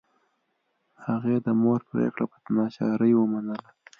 هغې د مور پریکړه په ناچارۍ ومنله